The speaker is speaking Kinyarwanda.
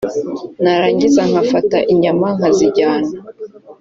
narangiza nkafata inyama nkazijyana”